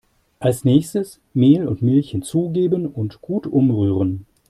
Als nächstes Mehl und Milch hinzugeben und gut umrühren.